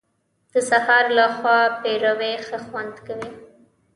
د سهار له خوا پېروی ښه خوند کوي .